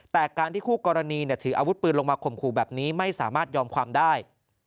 แต่การที่คู่กรณีถืออาวุธปืนลงมาข่มขู่แบบนี้ไม่สามารถยอมความได้